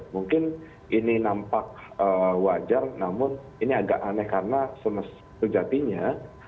mungkin ini nampak wajar namun ini agak aneh karena sejatinya